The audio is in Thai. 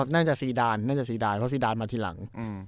น่าจะซีดานเพราะซีดานมาทีหลัง